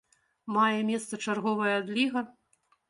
Мае месца чарговая адліга?